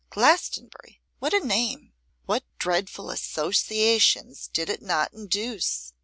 Glastonbury! what a name! What dreadful associations did it not induce!